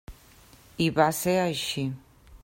I va ser així.